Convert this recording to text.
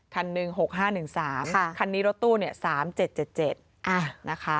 คันหนึ่ง๖๕๑๓คันนี้รถตู้เนี่ย๓๗๗นะคะ